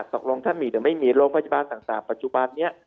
ตกลงท่านมีหรือไม่มีโรงพยาบาลต่างปัจจุบันนี้